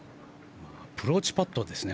アプローチパットですね